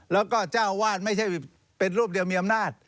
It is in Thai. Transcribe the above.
แล้วก็เจ้าวาดไม่ใช่เป็นรูปเดียวมีอำนาจ